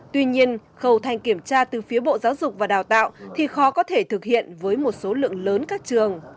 tuy nhiên khâu thanh kiểm tra từ phía bộ giáo dục và đào tạo thì khó có thể thực hiện với một số lượng lớn các trường